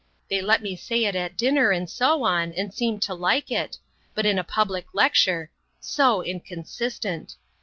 They let me say it at dinner and so on, and seemed to like it. But in a public lecture...so inconsistent.